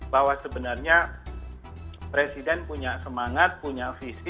bahwa sebenarnya presiden punya semangat punya visi